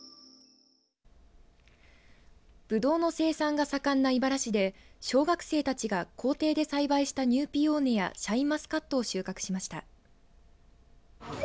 ぶどうの生産が盛んな井原市で小学生たちが校庭で栽培したニューピオーネやシャインマスカットを収穫しました。